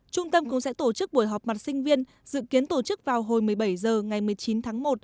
trung tâm cũng sẽ tổ chức buổi họp mặt sinh viên dự kiến tổ chức vào hồi một mươi bảy h ngày một mươi chín tháng một